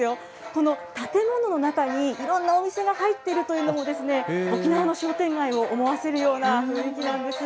この建物の中に、いろんなお店が入っているというのも、沖縄の商店街を思わせるような雰囲気なんです。